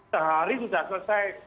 sehari sudah selesai